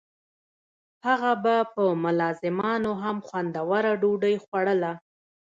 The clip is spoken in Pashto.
هغه به په ملازمانو هم خوندوره ډوډۍ خوړوله.